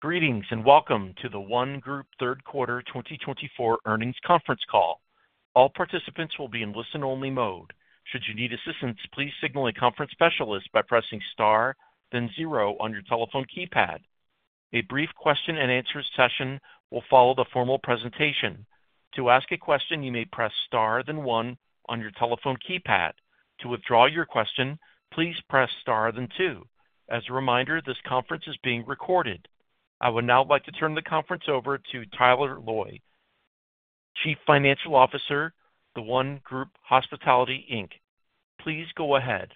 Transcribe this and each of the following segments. Greetings and welcome to The ONE Group Hospitality Third Quarter 2024 earnings conference call. All participants will be in listen-only mode. Should you need assistance, please signal a conference specialist by pressing star, then zero on your telephone keypad. A brief question-and-answer session will follow the formal presentation. To ask a question, you may press star, then one on your telephone keypad. To withdraw your question, please press star, then two. As a reminder, this conference is being recorded. I would now like to turn the conference over to Tyler Loy, Chief Financial Officer, The ONE Group Hospitality, Inc. Please go ahead.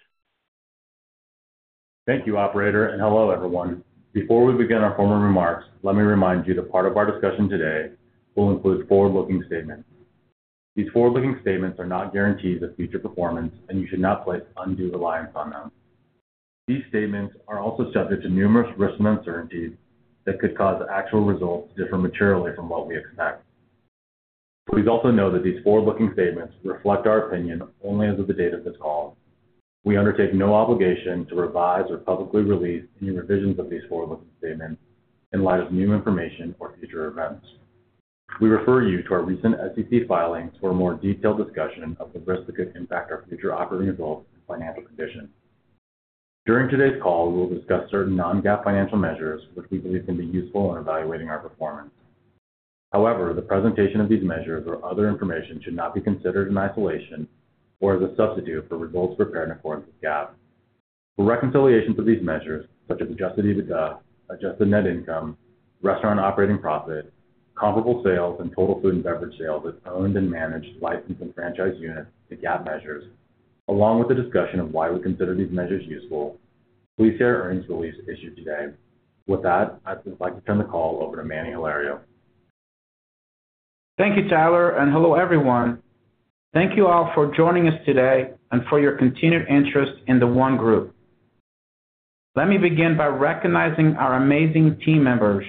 Thank you, Operator, and hello everyone. Before we begin our formal remarks, let me remind you that part of our discussion today will include forward-looking statements. These forward-looking statements are not guarantees of future performance, and you should not place undue reliance on them. These statements are also subject to numerous risks and uncertainties that could cause actual results to differ materially from what we expect. Please also know that these forward-looking statements reflect our opinion only as of the date of this call. We undertake no obligation to revise or publicly release any revisions of these forward-looking statements in light of new information or future events. We refer you to our recent SEC filings for a more detailed discussion of the risks that could impact our future operating results and financial condition. During today's call, we will discuss certain non-GAAP financial measures, which we believe can be useful in evaluating our performance. However, the presentation of these measures or other information should not be considered in isolation or as a substitute for results prepared in accordance with GAAP. For reconciliation for these measures, such as Adjusted EBITDA, Adjusted Net Income, Restaurant Operating Profit, Comparable Sales, and total food and beverage sales at owned and managed licensed and franchised units to GAAP measures, along with the discussion of why we consider these measures useful, please see our earnings release issued today. With that, I'd like to turn the call over to Manny Hilario. Thank you, Tyler, and hello everyone. Thank you all for joining us today and for your continued interest in The ONE Group. Let me begin by recognizing our amazing team members.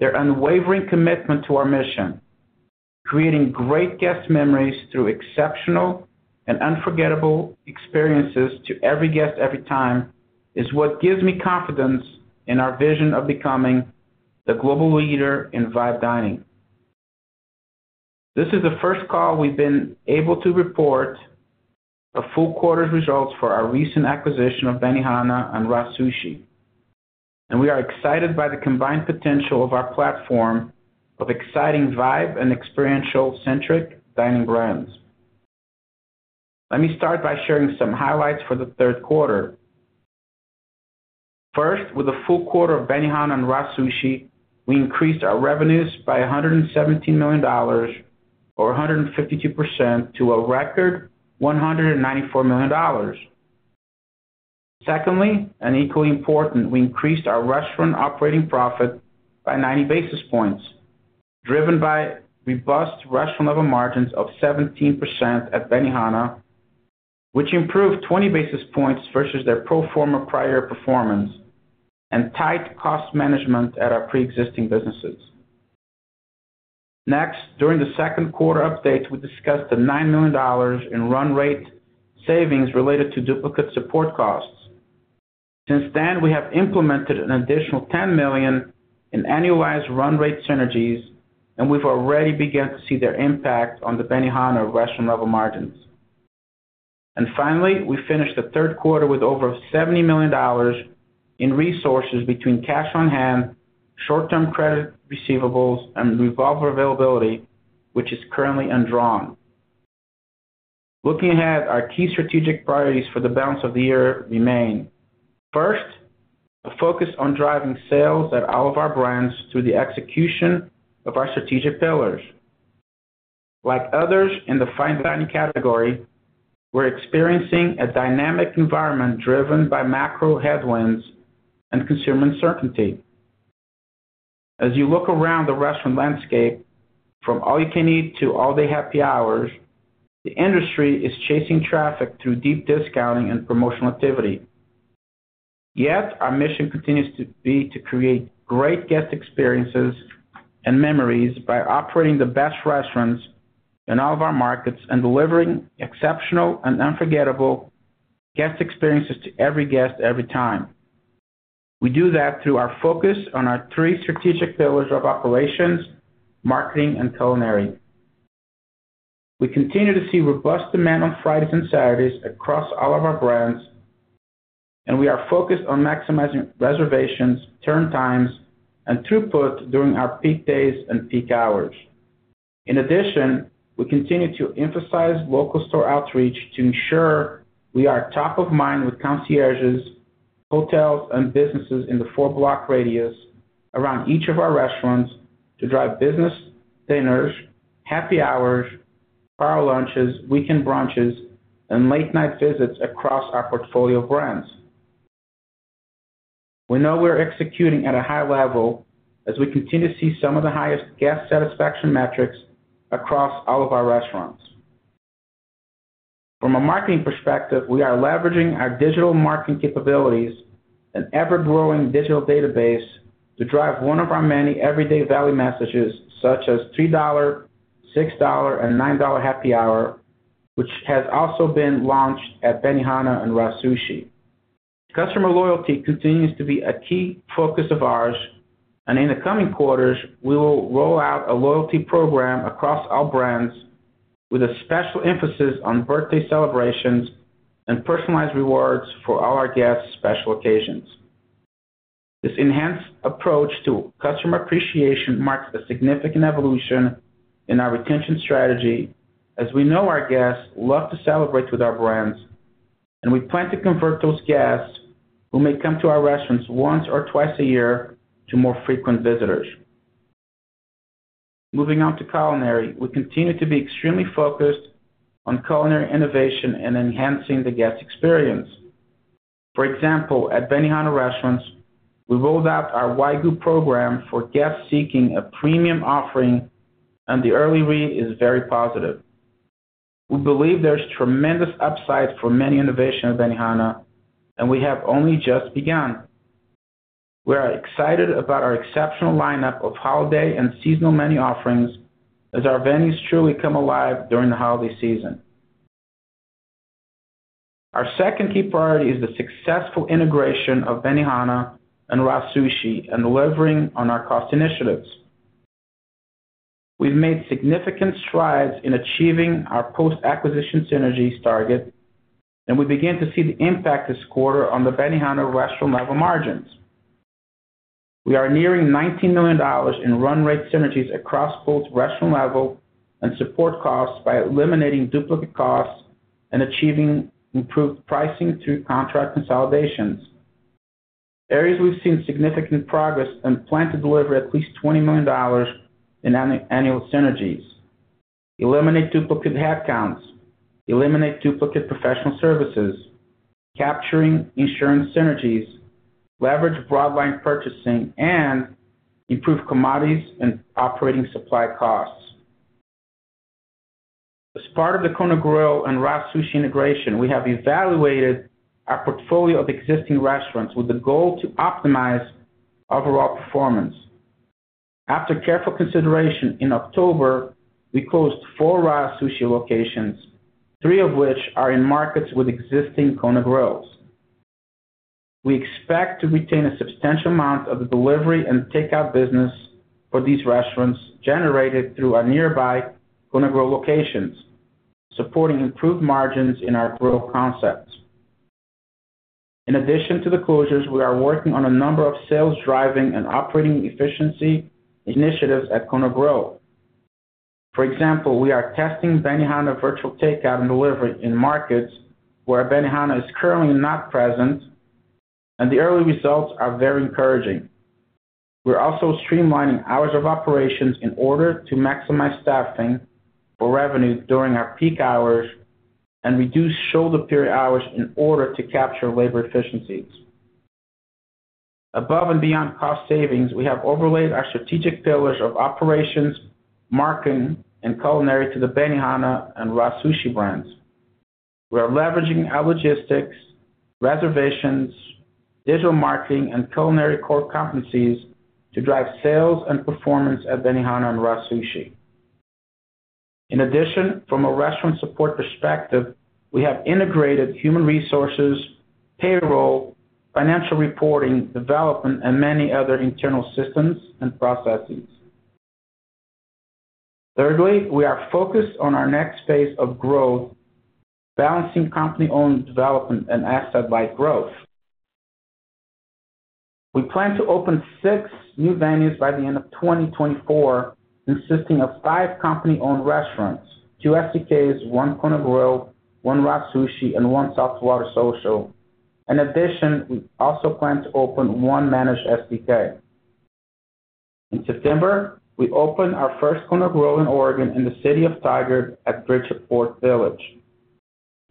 Their unwavering commitment to our mission, creating great guest memories through exceptional and unforgettable experiences to every guest every time, is what gives me confidence in our vision of becoming the global leader in vibe dining. This is the first call we've been able to report the full quarter's results for our recent acquisition of Benihana and RA Sushi, and we are excited by the combined potential of our platform of exciting vibe and experiential-centric dining brands. Let me start by sharing some highlights for the third quarter. First, with the full quarter of Benihana and RA Sushi, we increased our revenues by $117 million, or 152%, to a record $194 million. Secondly, and equally important, we increased our restaurant operating profit by 90 basis points, driven by robust restaurant-level margins of 17% at Benihana, which improved 20 basis points versus their pro forma prior performance and tight cost management at our pre-existing businesses. Next, during the second quarter update, we discussed the $9 million in run rate savings related to duplicate support costs. Since then, we have implemented an additional $10 million in annualized run rate synergies, and we've already begun to see their impact on the Benihana restaurant-level margins. And finally, we finished the third quarter with over $70 million in resources between cash on hand, short-term credit receivables, and revolver availability, which is currently undrawn. Looking ahead, our key strategic priorities for the balance of the year remain. First, a focus on driving sales at all of our brands through the execution of our strategic pillars. Like others in the fine dining category, we're experiencing a dynamic environment driven by macro headwinds and consumer uncertainty. As you look around the restaurant landscape, from all-you-can-eat to all-day happy hours, the industry is chasing traffic through deep discounting and promotional activity. Yet, our mission continues to be to create great guest experiences and memories by operating the best restaurants in all of our markets and delivering exceptional and unforgettable guest experiences to every guest every time. We do that through our focus on our three strategic pillars of operations, marketing, and culinary. We continue to see robust demand on Fridays and Saturdays across all of our brands, and we are focused on maximizing reservations, turn times, and throughput during our peak days and peak hours. In addition, we continue to emphasize local store outreach to ensure we are top of mind with concierges, hotels, and businesses in the four-block radius around each of our restaurants to drive business dinners, happy hours, power lunches, weekend brunches, and late-night visits across our portfolio of brands. We know we're executing at a high level as we continue to see some of the highest guest satisfaction metrics across all of our restaurants. From a marketing perspective, we are leveraging our digital marketing capabilities and ever-growing digital database to drive one of our many everyday value messages such as $3, $6, and $9 Happy Hour, which has also been launched at Benihana and RA Sushi. Customer loyalty continues to be a key focus of ours, and in the coming quarters, we will roll out a loyalty program across all brands with a special emphasis on birthday celebrations and personalized rewards for all our guests' special occasions. This enhanced approach to customer appreciation marks a significant evolution in our retention strategy as we know our guests love to celebrate with our brands, and we plan to convert those guests who may come to our restaurants once or twice a year to more frequent visitors. Moving on to culinary, we continue to be extremely focused on culinary innovation and enhancing the guest experience. For example, at Benihana Restaurants, we rolled out our Wagyu program for guests seeking a premium offering, and the early read is very positive. We believe there's tremendous upside for menu innovation at Benihana, and we have only just begun. We are excited about our exceptional lineup of holiday and seasonal menu offerings as our venues truly come alive during the holiday season. Our second key priority is the successful integration of Benihana and RA Sushi and delivering on our cost initiatives. We've made significant strides in achieving our post-acquisition synergies target, and we begin to see the impact this quarter on the Benihana restaurant-level margins. We are nearing $19 million in run rate synergies across both restaurant level and support costs by eliminating duplicate costs and achieving improved pricing through contract consolidations. Areas we've seen significant progress and plan to deliver at least $20 million in annual synergies: eliminate duplicate head counts, eliminate duplicate professional services, capturing insurance synergies, leverage broadline purchasing, and improve commodities and operating supply costs. As part of the Kona Grill and RA Sushi integration, we have evaluated our portfolio of existing restaurants with the goal to optimize overall performance. After careful consideration, in October, we closed four RA Sushi locations, three of which are in markets with existing Kona Grills. We expect to retain a substantial amount of the delivery and takeout business for these restaurants generated through our nearby Kona Grill locations, supporting improved margins in our grill concepts. In addition to the closures, we are working on a number of sales driving and operating efficiency initiatives at Kona Grill. For example, we are testing Benihana virtual takeout and delivery in markets where Benihana is currently not present, and the early results are very encouraging. We're also streamlining hours of operations in order to maximize staffing for revenue during our peak hours and reduce shoulder period hours in order to capture labor efficiencies. Above and beyond cost savings, we have overlaid our strategic pillars of operations, marketing, and culinary to the Benihana and RA Sushi brands. We are leveraging our logistics, reservations, digital marketing, and culinary core competencies to drive sales and performance at Benihana and RA Sushi. In addition, from a restaurant support perspective, we have integrated human resources, payroll, financial reporting, development, and many other internal systems and processes. Thirdly, we are focused on our next phase of growth, balancing company-owned development and asset-light growth. We plan to open six new venues by the end of 2024, consisting of five company-owned restaurants: two STKs, one Kona Grill, one RA Sushi, and one Saltwater Social. In addition, we also plan to open one managed STK. In September, we opened our first Kona Grill in Oregon in the city of Tigard at Bridgeport Village.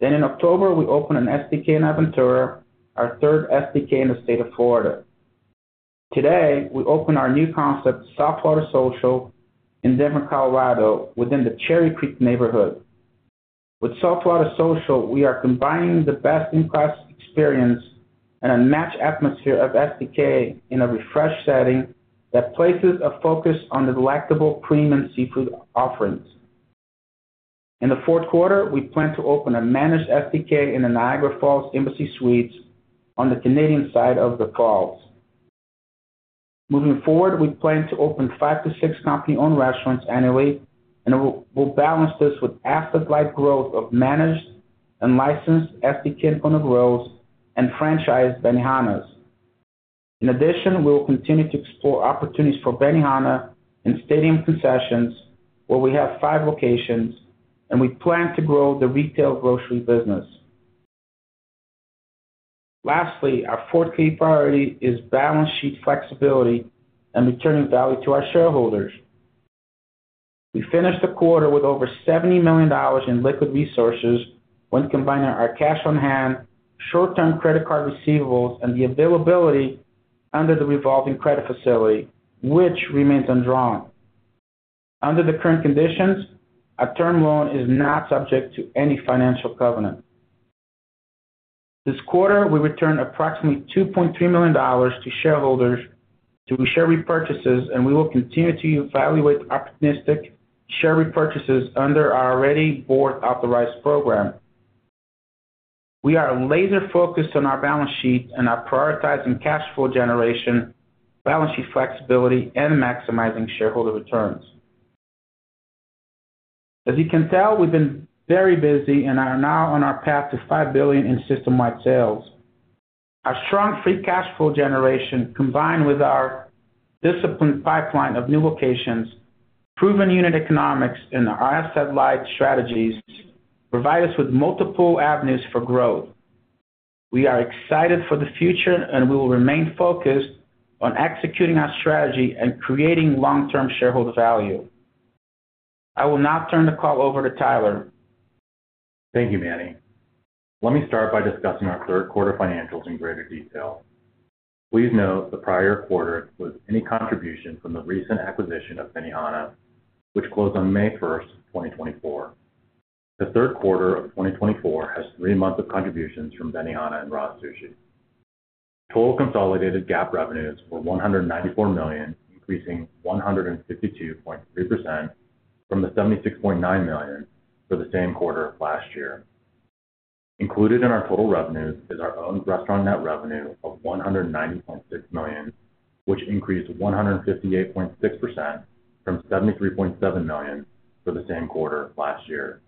Then, in October, we opened a STK in Aventura, our third STK in the state of Florida. Today, we opened our new concept, Saltwater Social, in Denver, Colorado, within the Cherry Creek neighborhood. With Saltwater Social, we are combining the best-in-class experience and unmatched atmosphere of STK in a refreshed setting that places a focus on the delectable premium seafood offerings. In the fourth quarter, we plan to open a managed STK in the Niagara Falls Embassy Suites on the Canadian side of the Falls. Moving forward, we plan to open five to six company-owned restaurants annually, and we'll balance this with asset-light growth of managed and licensed STK Kona Grills and franchised Benihanas. In addition, we will continue to explore opportunities for Benihana in stadium concessions, where we have five locations, and we plan to grow the retail grocery business. Lastly, our fourth key priority is balance sheet flexibility and returning value to our shareholders. We finished the quarter with over $70 million in liquid resources when combining our cash on hand, short-term credit card receivables, and the availability under the revolving credit facility, which remains undrawn. Under the current conditions, a term loan is not subject to any financial covenant. This quarter, we returned approximately $2.3 million to shareholders through share repurchases, and we will continue to evaluate opportunistic share repurchases under our already board-authorized program. We are laser-focused on our balance sheet and are prioritizing cash flow generation, balance sheet flexibility, and maximizing shareholder returns. As you can tell, we've been very busy and are now on our path to $5 billion in system-wide sales. Our strong free cash flow generation, combined with our disciplined pipeline of new locations, proven unit economics, and our asset-light strategies provide us with multiple avenues for growth. We are excited for the future, and we will remain focused on executing our strategy and creating long-term shareholder value. I will now turn the call over to Tyler. Thank you, Manny. Let me start by discussing our third quarter financials in greater detail. Please note the prior quarter had no contribution from the recent acquisition of Benihana, which closed on May 1st, 2024. The third quarter of 2024 has three months of contributions from Benihana and RA Sushi. Total consolidated GAAP revenues were $194 million, increasing 152.3% from the $76.9 million for the same quarter last year. Included in our total revenues is our own restaurant net revenue of $190.6 million, which increased 158.6% from $73.7 million for the same quarter last year.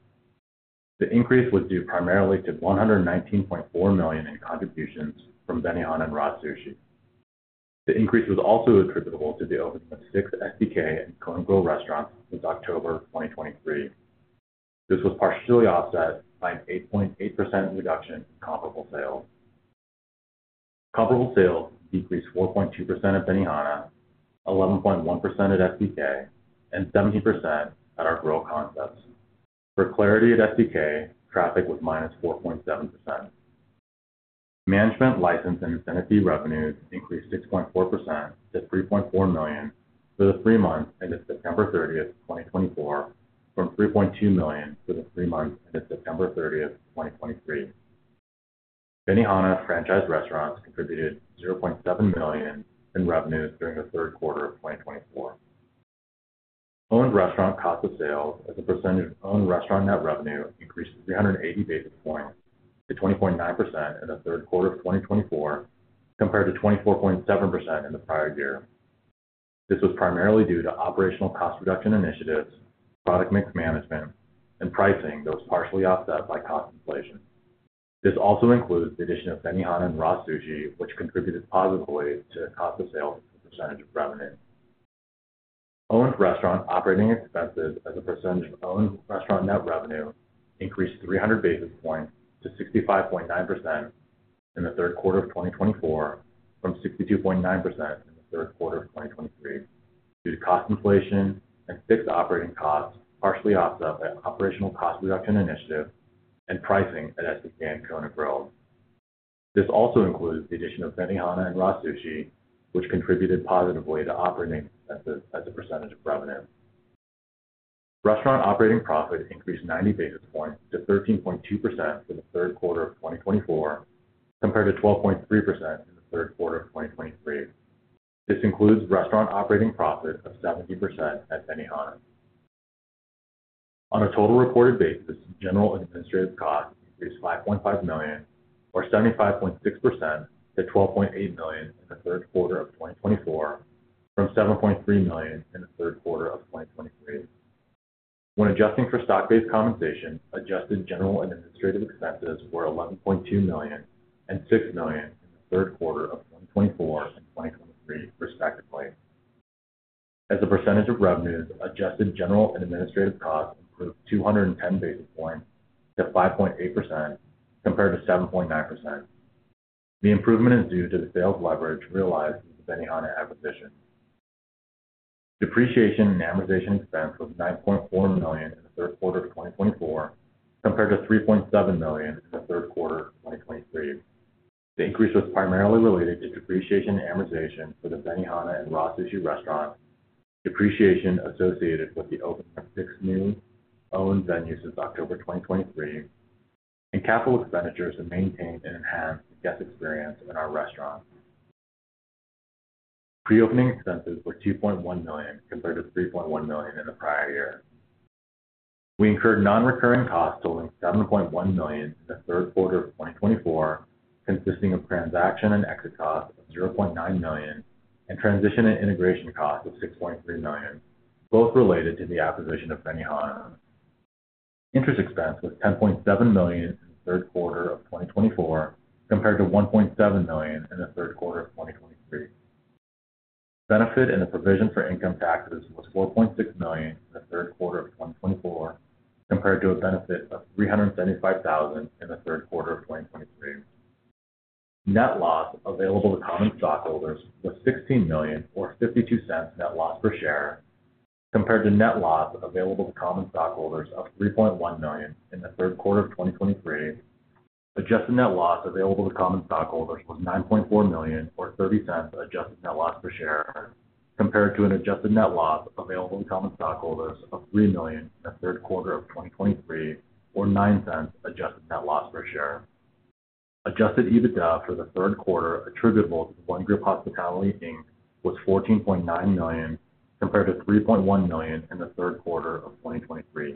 The increase was due primarily to $119.4 million in contributions from Benihana and RA Sushi. The increase was also attributable to the opening of six STK and Kona Grill restaurants since October 2023. This was partially offset by an 8.8% reduction in comparable sales. Comparable sales decreased 4.2% at Benihana, 11.1% at STK, and 17% at our grill concepts. For clarity at STK, traffic was minus 4.7%. Management, license, and franchise revenues increased 6.4% to $3.4 million for the three months ended September 30th, 2024, from $3.2 million for the three months ended September 30th, 2023. Benihana franchise restaurants contributed $0.7 million in revenues during the third quarter of 2024. Owned restaurant cost of sales as a percentage of owned restaurant net revenue increased 380 basis points to 20.9% in the third quarter of 2024 compared to 24.7% in the prior year. This was primarily due to operational cost reduction initiatives, product mix management, and pricing that was partially offset by cost inflation. This also includes the addition of Benihana and RA Sushi, which contributed positively to the cost of sales as a percentage of revenue. Owned restaurant operating expenses as a percentage of owned restaurant net revenue increased 300 basis points to 65.9% in the third quarter of 2024 from 62.9% in the third quarter of 2023 due to cost inflation and fixed operating costs partially offset by operational cost reduction initiative and pricing at STK and Kona Grill. This also includes the addition of Benihana and RA Sushi, which contributed positively to operating expenses as a percentage of revenue. Restaurant operating profit increased 90 basis points to 13.2% for the third quarter of 2024 compared to 12.3% in the third quarter of 2023. This includes restaurant operating profit of 70% at Benihana. On a total reported basis, general administrative costs increased $5.5 million, or 75.6%, to $12.8 million in the third quarter of 2024 from $7.3 million in the third quarter of 2023. When adjusting for stock-based compensation, adjusted general administrative expenses were $11.2 million and $6 million in the third quarter of 2024 and 2023, respectively. As a percentage of revenues, adjusted general administrative costs improved 210 basis points to 5.8% compared to 7.9%. The improvement is due to the sales leverage realized with the Benihana acquisition. Depreciation and amortization expense was $9.4 million in the third quarter of 2024 compared to $3.7 million in the third quarter of 2023. The increase was primarily related to depreciation and amortization for the Benihana and RA Sushi restaurants, depreciation associated with the opening of six new owned venues since October 2023, and capital expenditures to maintain and enhance the guest experience in our restaurants. Pre-opening expenses were $2.1 million compared to $3.1 million in the prior year. We incurred non-recurring costs totaling $7.1 million in the third quarter of 2024, consisting of transaction and exit costs of $0.9 million and transition and integration costs of $6.3 million, both related to the acquisition of Benihana. Interest expense was $10.7 million in the third quarter of 2024 compared to $1.7 million in the third quarter of 2023. The provision for income taxes was $4.6 million in the third quarter of 2024 compared to a benefit of $375,000 in the third quarter of 2023. Net loss available to common stockholders was $16 million, or $0.52 net loss per share compared to net loss available to common stockholders of $3.1 million in the third quarter of 2023. Adjusted net loss available to common stockholders was $9.4 million, or $0.30, adjusted net loss per share compared to an adjusted net loss available to common stockholders of $3 million in the third quarter of 2023, or $0.09, adjusted net loss per share. Adjusted EBITDA for the third quarter attributable to The ONE Group Hospitality, Inc. was $14.9 million compared to $3.1 million in the third quarter of 2023.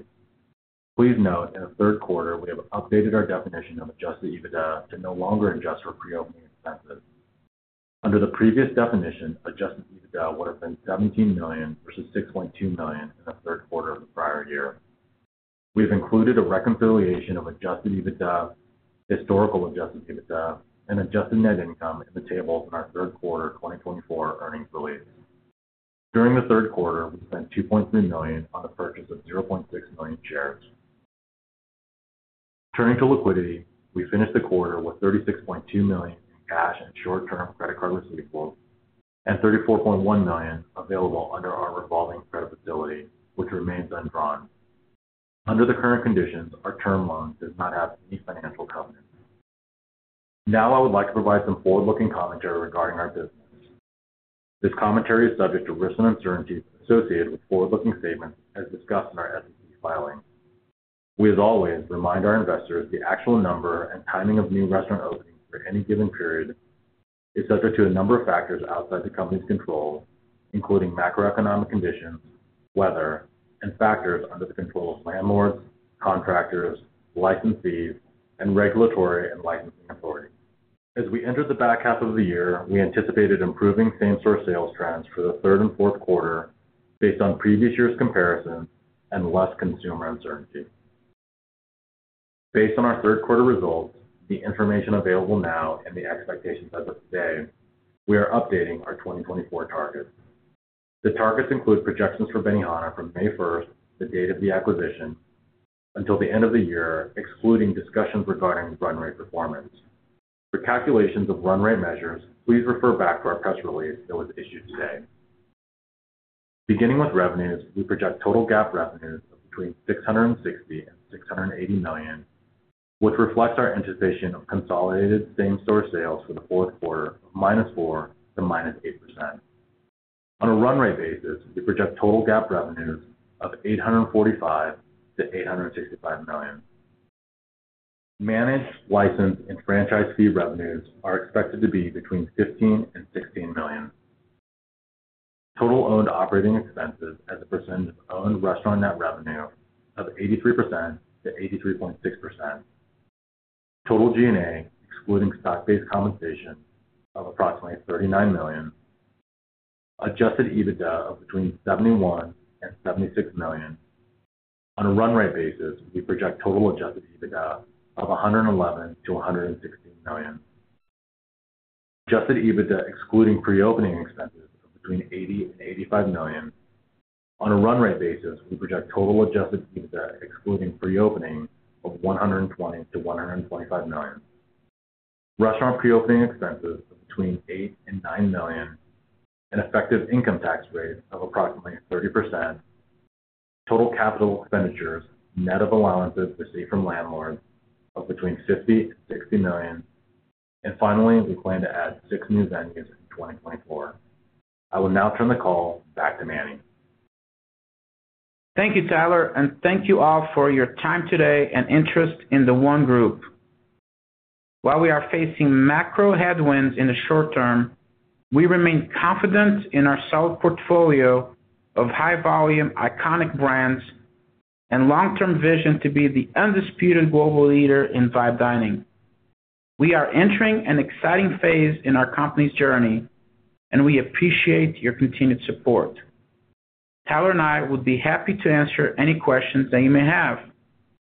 Please note, in the third quarter, we have updated our definition of adjusted EBITDA to no longer adjust for pre-opening expenses. Under the previous definition, adjusted EBITDA would have been $17 million versus $6.2 million in the third quarter of the prior year. We have included a reconciliation of adjusted EBITDA, historical adjusted EBITDA, and adjusted net income in the tables in our third quarter 2024 earnings release. During the third quarter, we spent $2.3 million on the purchase of 0.6 million shares. Turning to liquidity, we finished the quarter with $36.2 million in cash and short-term credit card receivables and $34.1 million available under our revolving credit facility, which remains undrawn. Under the current conditions, our term loan does not have any financial covenants. Now, I would like to provide some forward-looking commentary regarding our business. This commentary is subject to risks and uncertainties associated with forward-looking statements as discussed in our SEC filing. We, as always, remind our investors the actual number and timing of new restaurant openings for any given period is subject to a number of factors outside the company's control, including macroeconomic conditions, weather, and factors under the control of landlords, contractors, licensees, and regulatory and licensing authorities. As we entered the back half of the year, we anticipated improving same-store sales trends for the third and fourth quarter based on previous year's comparisons and less consumer uncertainty. Based on our third quarter results, the information available now, and the expectations as of today, we are updating our 2024 targets. The targets include projections for Benihana from May 1st, the date of the acquisition, until the end of the year, excluding discussions regarding run rate performance. For calculations of run rate measures, please refer back to our press release that was issued today. Beginning with revenues, we project total GAAP revenues of between $660 million and $680 million, which reflects our anticipation of consolidated same-store sales for the fourth quarter of -4% to -8%. On a run rate basis, we project total GAAP revenues of $845 million-$865 million. Managed, licensed, and franchise fee revenues are expected to be between $15 million and $16 million. Total owned operating expenses as a percentage of owned restaurant net revenue of 83%-83.6%. Total G&A, excluding stock-based compensation, of approximately $39 million. Adjusted EBITDA of between $71 million and $76 million. On a run rate basis, we project total Adjusted EBITDA of $111 million-$116 million. Adjusted EBITDA excluding pre-opening expenses of between $80 million million and $85 million. On a run rate basis, we project total Adjusted EBITDA excluding pre-opening of $120 million-$125 million. Restaurant pre-opening expenses of between $8 million and $9 million. An effective income tax rate of approximately 30%. Total capital expenditures, net of allowances received from landlords, of between $50 million and $60 million. Finally, we plan to add six new venues in 2024. I will now turn the call back to Manny. Thank you, Tyler, and thank you all for your time today and interest in The ONE Group. While we are facing macro headwinds in the short term, we remain confident in our solid portfolio of high-volume, iconic brands and long-term vision to be the undisputed global leader in vibe dining. We are entering an exciting phase in our company's journey, and we appreciate your continued support. Tyler and I would be happy to answer any questions that you may have,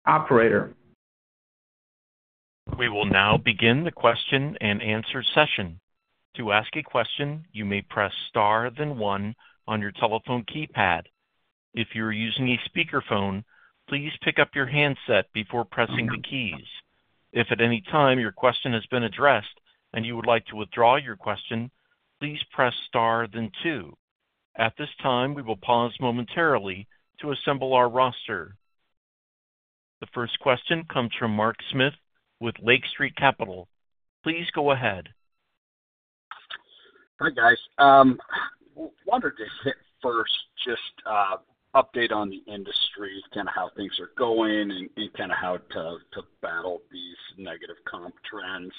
Operator. We will now begin the question and answer session. To ask a question, you may press star then one on your telephone keypad. If you're using a speakerphone, please pick up your handset before pressing the keys. If at any time your question has been addressed and you would like to withdraw your question, please press star then two. At this time, we will pause momentarily to assemble our roster. The first question comes from Mark Smith with Lake Street Capital Markets. Please go ahead. Hi, guys. Wanted to hit first, just update on the industry, kind of how things are going and kind of how to battle these negative comp trends.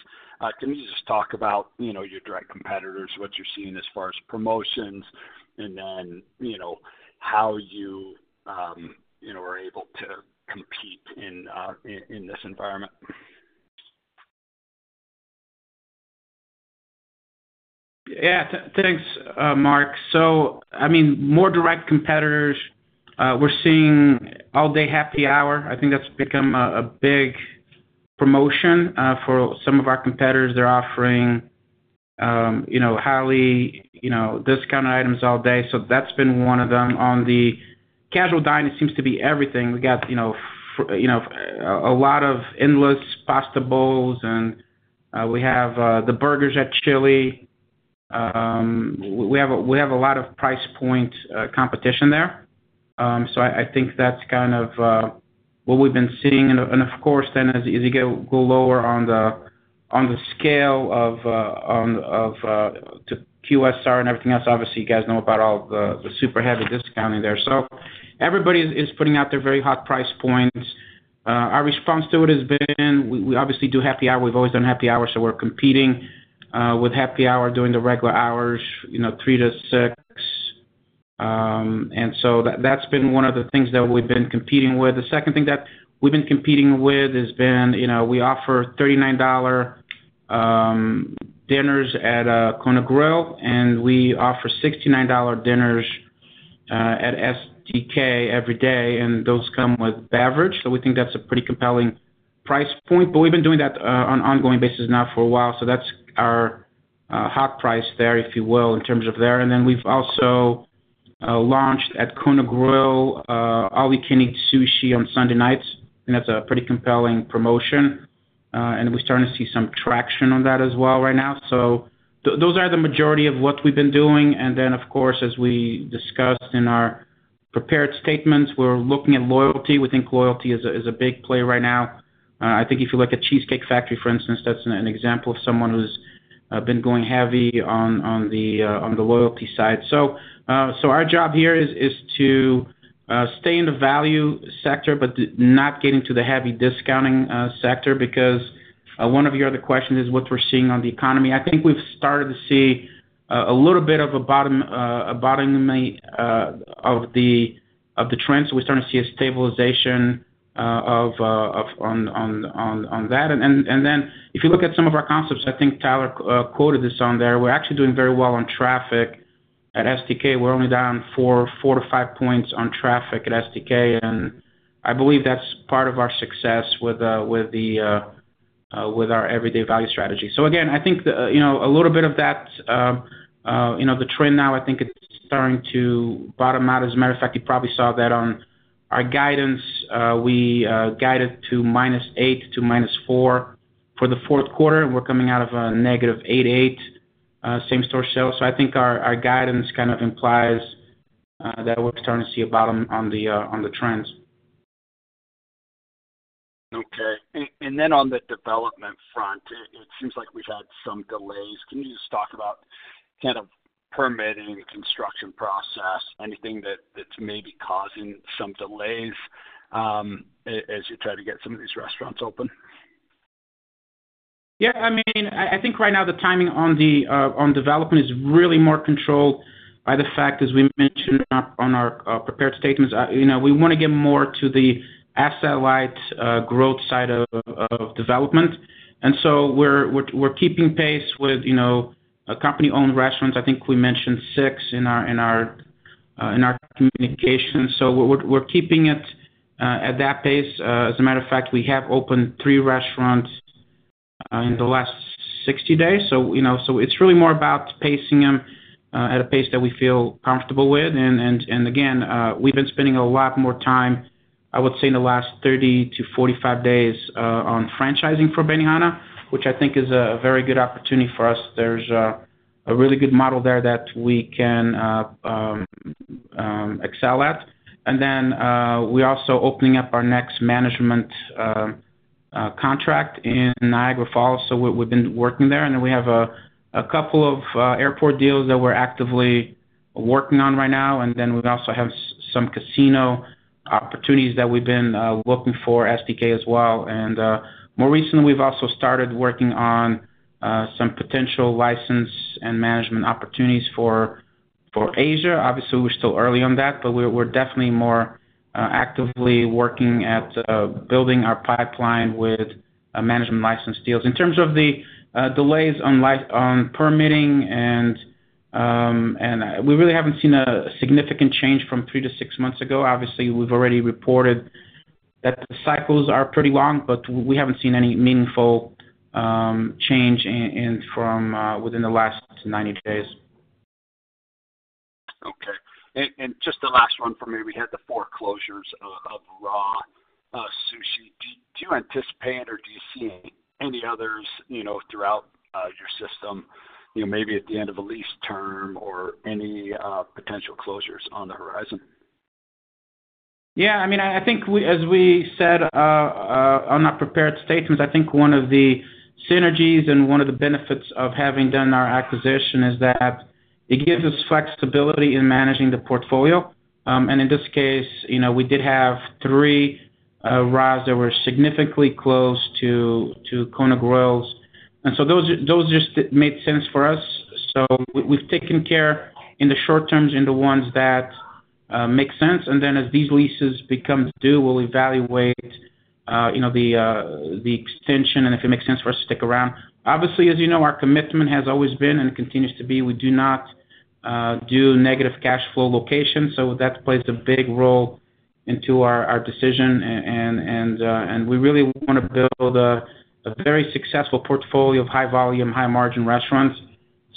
Can you just talk about your direct competitors, what you're seeing as far as promotions, and then how you are able to compete in this environment? Yeah, thanks, Mark. So, I mean, more direct competitors. We're seeing all-day happy hour. I think that's become a big promotion for some of our competitors. They're offering highly discounted items all day. So that's been one of them. On the casual dining, it seems to be everything. We got a lot of endless pasta bowls, and we have the burgers at Chili's. We have a lot of price point competition there. So I think that's kind of what we've been seeing. And of course, then as you go lower on the scale of QSR and everything else, obviously, you guys know about all the super heavy discounting there. So everybody is putting out their very hot price points. Our response to it has been, we obviously do happy hour. We've always done happy hour, so we're competing with happy hour during the regular hours, 3-6. And so that's been one of the things that we've been competing with. The second thing that we've been competing with has been we offer $39 dinners at Kona Grill, and we offer $69 dinners at STK every day, and those come with beverage. So we think that's a pretty compelling price point. But we've been doing that on an ongoing basis now for a while. So that's our hot price there, if you will, in terms of there. And then we've also launched at Kona Grill, all-you-can-eat sushi on Sunday nights. I think that's a pretty compelling promotion. And we're starting to see some traction on that as well right now. So those are the majority of what we've been doing. And then, of course, as we discussed in our prepared statements, we're looking at loyalty. We think loyalty is a big player right now. I think if you look at Cheesecake Factory, for instance, that's an example of someone who's been going heavy on the loyalty side. So our job here is to stay in the value sector, but not get into the heavy discounting sector because one of your other questions is what we're seeing on the economy. I think we've started to see a little bit of a bottoming of the trend. So we're starting to see a stabilization on that. And then if you look at some of our concepts, I think Tyler quoted this on there. We're actually doing very well on traffic at STK. We're only down four to five points on traffic at STK. And I believe that's part of our success with our everyday value strategy. So again, I think a little bit of that, the trend now, I think it's starting to bottom out. As a matter of fact, you probably saw that on our guidance. We guided to -8% to -4% for the fourth quarter, and we're coming out of a negative 8.8% same-store sales. So I think our guidance kind of implies that we're starting to see a bottom on the trends. Okay. And then on the development front, it seems like we've had some delays. Can you just talk about kind of permitting and construction process, anything that's maybe causing some delays as you try to get some of these restaurants open? Yeah. I mean, I think right now the timing on the development is really more controlled by the fact, as we mentioned on our prepared statements, we want to get more to the satellite growth side of development. And so we're keeping pace with company-owned restaurants. I think we mentioned six in our communications. So we're keeping it at that pace. As a matter of fact, we have opened three restaurants in the last 60 days. So it's really more about pacing them at a pace that we feel comfortable with. And again, we've been spending a lot more time, I would say, in the last 30-45 days on franchising for Benihana, which I think is a very good opportunity for us. There's a really good model there that we can excel at. And then we're also opening up our next management contract in Niagara Falls. So we've been working there. And then we have a couple of airport deals that we're actively working on right now. And then we also have some casino opportunities that we've been looking for, STK as well. And more recently, we've also started working on some potential license and management opportunities for Asia. Obviously, we're still early on that, but we're definitely more actively working at building our pipeline with management license deals. In terms of the delays on permitting, we really haven't seen a significant change from three to six months ago. Obviously, we've already reported that the cycles are pretty long, but we haven't seen any meaningful change from within the last 90 days. Okay. And just the last one for me. We had the four closures of RA Sushi. Do you anticipate or do you see any others throughout your system, maybe at the end of a lease term or any potential closures on the horizon? Yeah. I mean, I think, as we said on our prepared statements, I think one of the synergies and one of the benefits of having done our acquisition is that it gives us flexibility in managing the portfolio. And in this case, we did have three RAs that were significantly close to Kona Grills. And so those just made sense for us. So we've taken care in the short terms in the ones that make sense. And then as these leases become due, we'll evaluate the extension and if it makes sense for us to stick around. Obviously, as you know, our commitment has always been and continues to be. We do not do negative cash flow location. So that plays a big role into our decision. And we really want to build a very successful portfolio of high-volume, high-margin restaurants.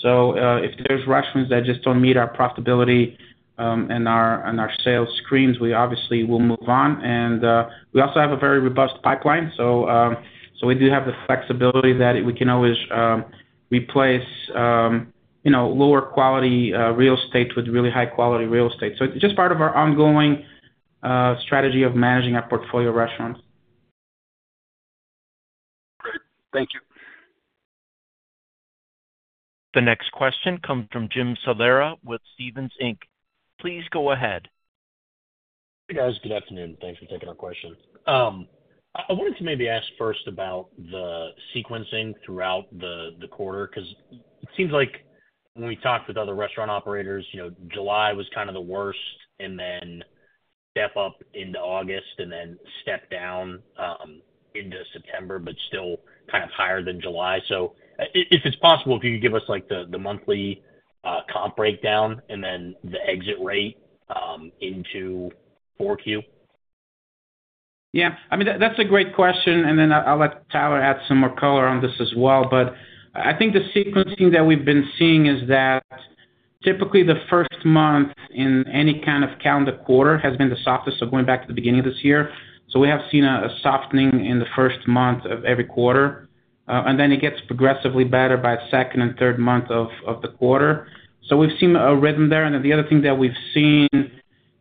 So if there's restaurants that just don't meet our profitability and our sales screens, we obviously will move on. And we also have a very robust pipeline. So we do have the flexibility that we can always replace lower quality real estate with really high-quality real estate. So it's just part of our ongoing strategy of managing our portfolio restaurants. Great. Thank you. The next question comes from Jim Salera with Stephens Inc. Please go ahead. Hey, guys. Good afternoon. Thanks for taking our question. I wanted to maybe ask first about the sequencing throughout the quarter because it seems like when we talked with other restaurant operators, July was kind of the worst, and then step up into August, and then step down into September, but still kind of higher than July. So if it's possible, if you could give us the monthly comp breakdown and then the exit rate into 4Q. Yeah. I mean, that's a great question. And then I'll let Tyler add some more color on this as well. But I think the sequencing that we've been seeing is that typically the first month in any kind of calendar quarter has been the softest, so going back to the beginning of this year. So we have seen a softening in the first month of every quarter. And then it gets progressively better by the second and third month of the quarter. So we've seen a rhythm there. And then the other thing that we've seen,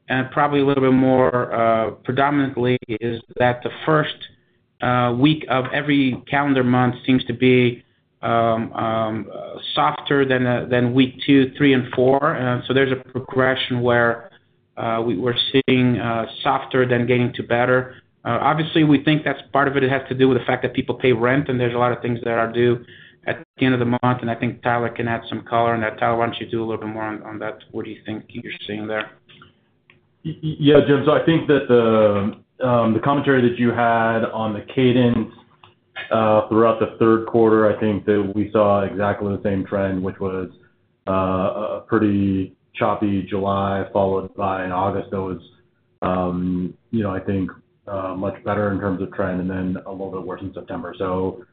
and probably a little bit more predominantly, is that the first week of every calendar month seems to be softer than week two, three, and four. So there's a progression where we're seeing softer than getting to better. Obviously, we think that's part of it. It has to do with the fact that people pay rent, and there's a lot of things that are due at the end of the month. And I think Tyler can add some color on that. Tyler, why don't you do a little bit more on that? What do you think you're seeing there? Yeah, Jim. So I think that the commentary that you had on the cadence throughout the third quarter, I think that we saw exactly the same trend, which was a pretty choppy July followed by an August that was, I think, much better in terms of trend and then a little bit worse in September. So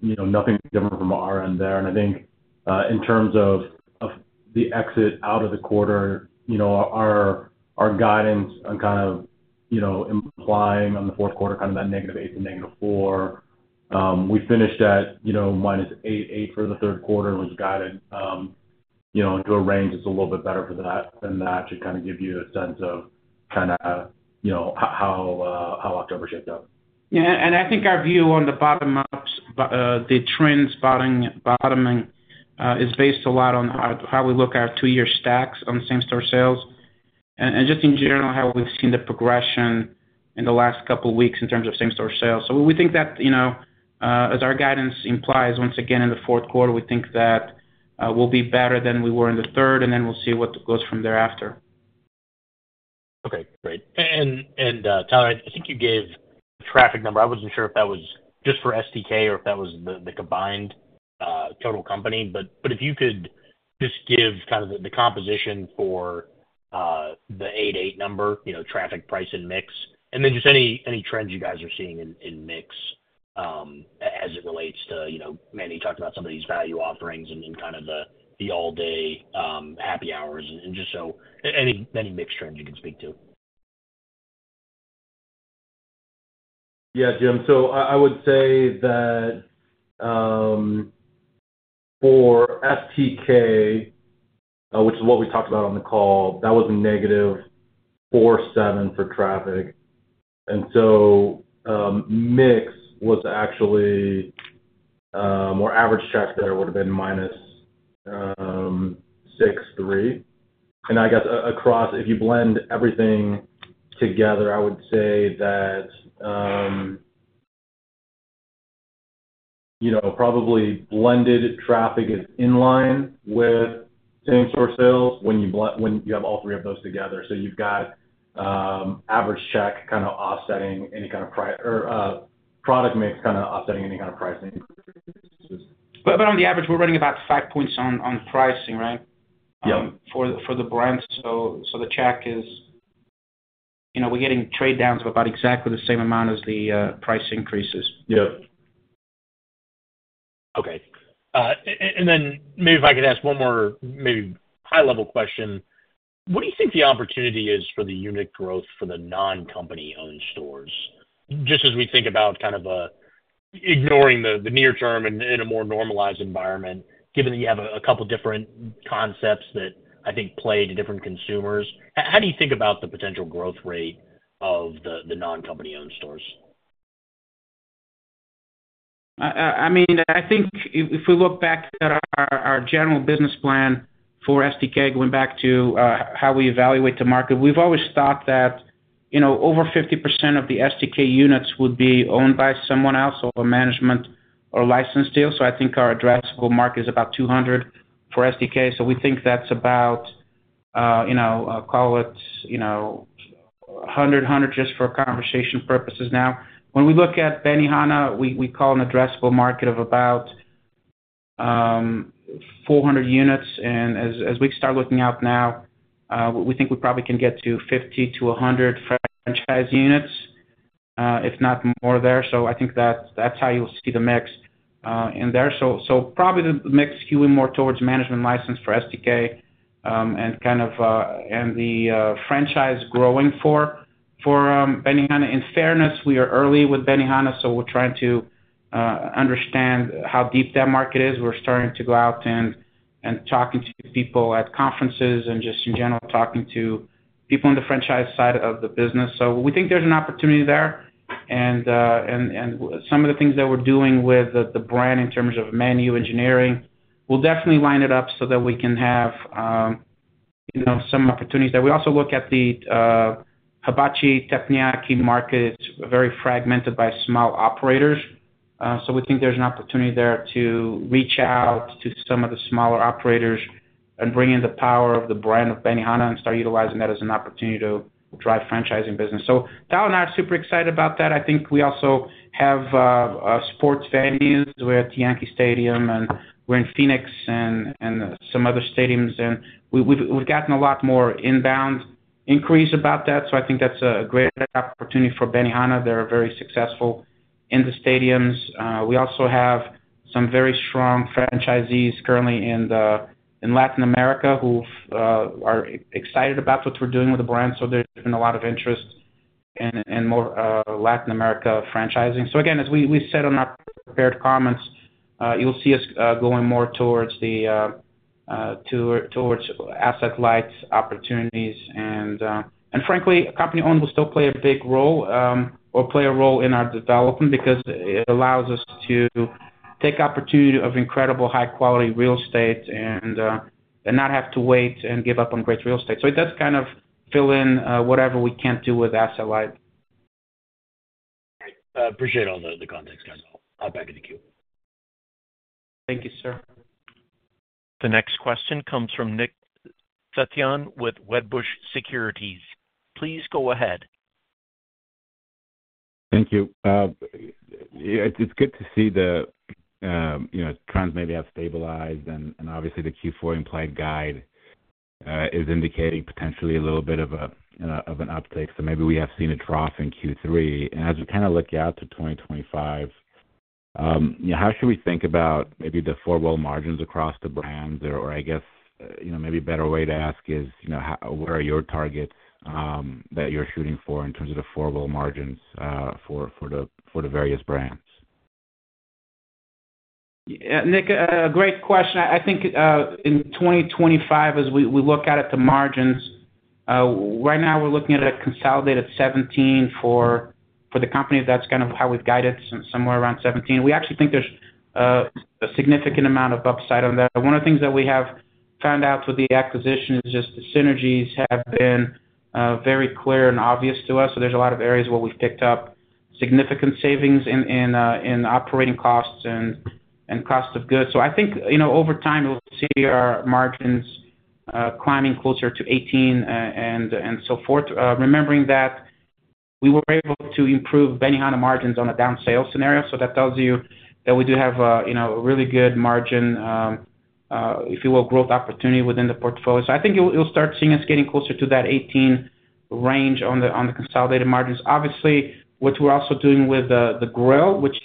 nothing different from our end there. And I think in terms of the exit out of the quarter, our guidance on kind of implying on the fourth quarter, kind of that -8% to -4%, we finished at minus 8% for the third quarter, which guided into a range that's a little bit better for that than that should kind of give you a sense of kind of how October shaped up. Yeah. And I think our view on the bottom-up, the trend's bottoming, is based a lot on how we look at two-year stacks on same-store sales and just in general how we've seen the progression in the last couple of weeks in terms of same-store sales. So we think that, as our guidance implies, once again in the fourth quarter, we think that we'll be better than we were in the third, and then we'll see what goes from thereafter. Okay. Great. And Tyler, I think you gave the traffic number. I wasn't sure if that was just for STK or if that was the combined total company. But if you could just give kind of the composition for the 8.8 number, traffic, price, and mix, and then just any trends you guys are seeing in mix as it relates to Manny talked about some of these value offerings and kind of the all-day happy hours and just so any mixed trends you can speak to. Yeah, Jim. So I would say that for STK, which is what we talked about on the call, that was a negative 4.7% for traffic. And so mix was actually or average checks there would have been minus 6.3%. And I guess across, if you blend everything together, I would say that probably blended traffic is in line with same-store sales when you have all three of those together. So you've got average check kind of offsetting any kind of product mix kind of offsetting any kind of pricing. But on the average, we're running about five points on pricing, right, for the brand. So the check is we're getting trade downs of about exactly the same amount as the price increases. Yep. Okay. And then maybe if I could ask one more maybe high-level question, what do you think the opportunity is for the unit growth for the non-company-owned stores? Just as we think about kind of ignoring the near term in a more normalized environment, given that you have a couple of different concepts that I think play to different consumers, how do you think about the potential growth rate of the non-company-owned stores? I mean, I think if we look back at our general business plan for STK, going back to how we evaluate the market, we've always thought that over 50% of the STK units would be owned by someone else or a management or license deal. So I think our addressable market is about 200 for STK. So we think that's about, call it 100, 100 just for conversation purposes now. When we look at Benihana, we call an addressable market of about 400 units. And as we start looking out now, we think we probably can get to 50-100 franchise units, if not more there. So I think that's how you'll see the mix in there. So probably the mix skewing more towards management license for STK and kind of the franchise growing for Benihana. In fairness, we are early with Benihana, so we're trying to understand how deep that market is. We're starting to go out and talking to people at conferences and just in general talking to people on the franchise side of the business. So we think there's an opportunity there. And some of the things that we're doing with the brand in terms of menu engineering, we'll definitely line it up so that we can have some opportunities there. We also look at the Hibachi Teppanyaki market. It's very fragmented by small operators. So we think there's an opportunity there to reach out to some of the smaller operators and bring in the power of the brand of Benihana and start utilizing that as an opportunity to drive franchising business. So Tyler and I are super excited about that. I think we also have sports venues. We're at the Yankee Stadium, and we're in Phoenix and some other stadiums. And we've gotten a lot more inbound increase about that. So I think that's a great opportunity for Benihana. They're very successful in the stadiums. We also have some very strong franchisees currently in Latin America who are excited about what we're doing with the brand. So there's been a lot of interest in more Latin America franchising. So again, as we said on our prepared comments, you'll see us going more towards the asset light opportunities. And frankly, company-owned will still play a big role or play a role in our development because it allows us to take opportunity of incredible high-quality real estate and not have to wait and give up on great real estate. So it does kind of fill in whatever we can't do with asset light. Appreciate all the context, guys. I'll back into queue. Thank you, sir. The next question comes from Nick Setyan with Wedbush Securities. Please go ahead. Thank you. It's good to see the trends maybe have stabilized. And obviously, the Q4 implied guide is indicating potentially a little bit of an uptick. So maybe we have seen a trough in Q3. And as we kind of look out to 2025, how should we think about maybe the four-wall margins across the brands? Or I guess maybe a better way to ask is, where are your targets that you're shooting for in terms of the four-wall margins for the various brands? Nick, great question. I think in 2025, as we look at it to margins, right now we're looking at a consolidated 17% for the company. That's kind of how we've guided somewhere around 17%. We actually think there's a significant amount of upside on that. One of the things that we have found out with the acquisition is just the synergies have been very clear and obvious to us. So there's a lot of areas where we've picked up significant savings in operating costs and cost of goods. So I think over time, we'll see our margins climbing closer to 18% and so forth. Remembering that we were able to improve Benihana margins on a down sale scenario. So that tells you that we do have a really good margin, if you will, growth opportunity within the portfolio. So I think you'll start seeing us getting closer to that 18 range on the consolidated margins. Obviously, what we're also doing with the Kona Grill, which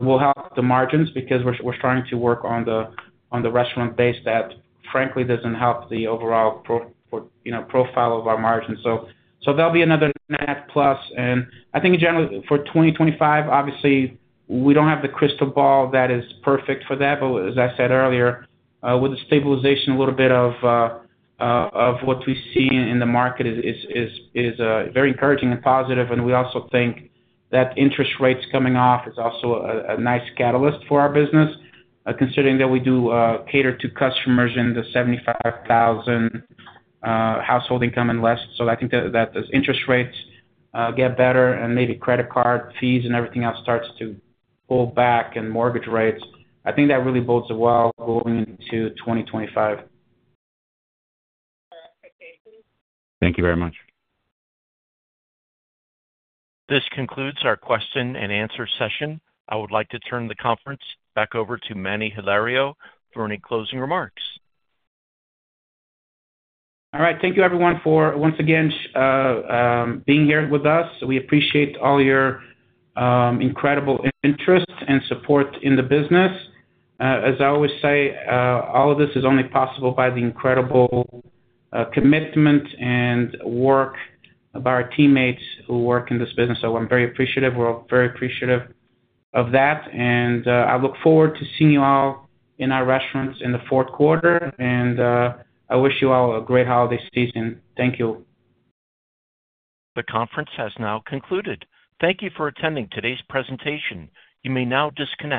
will help the margins because we're starting to work on the restaurant base that, frankly, doesn't help the overall profile of our margins. So that'll be another net plus. And I think in general, for 2025, obviously, we don't have the crystal ball that is perfect for that. But as I said earlier, with the stabilization, a little bit of what we see in the market is very encouraging and positive. And we also think that interest rates coming off is also a nice catalyst for our business, considering that we do cater to customers in the $75,000 household income and less. So I think that as interest rates get better and maybe credit card fees and everything else starts to pull back and mortgage rates, I think that really bodes well going into 2025. Thank you very much. This concludes our question and answer session. I would like to turn the conference back over to Manny Hilario for any closing remarks. All right. Thank you, everyone, for once again being here with us. We appreciate all your incredible interest and support in the business. As I always say, all of this is only possible by the incredible commitment and work of our teammates who work in this business. So I'm very appreciative. We're all very appreciative of that. And I look forward to seeing you all in our restaurants in the fourth quarter. And I wish you all a great holiday season. Thank you. The conference has now concluded. Thank you for attending today's presentation. You may now disconnect.